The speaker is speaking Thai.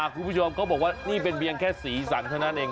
คุณผู้ชมเขาบอกว่านี่เป็นเพียงแค่สีสันเท่านั้นเอง